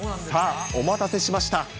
さあ、お待たせしました。